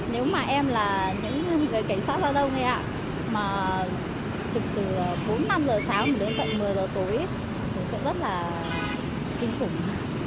nếu mà em là những người cảnh sát giao thông ấy ạ mà trực từ bốn năm giờ sáng đến gần một mươi giờ tối thì sẽ rất là kinh khủng